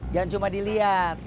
jangan cuma diliat